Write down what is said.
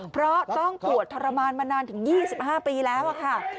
เพราะต้องปวดทรมานมานานถึง๒๕ปีแล้วค่ะ